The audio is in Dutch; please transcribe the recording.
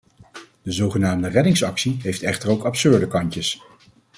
De zogenaamde reddingsactie heeft echter ook absurde kantjes.